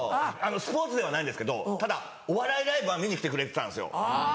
スポーツではないんですけどただお笑いライブは見に来てくれてたんですよ。